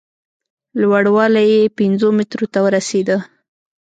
لوړوالی یې پینځو مترو ته رسېده.